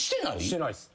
してないです。